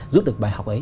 giúp được bài học ấy